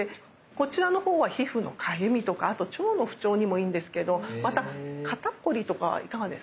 こちらのほうは皮膚のかゆみとかあと腸の不調にもいいんですけどまた肩凝りとかはいかがですか？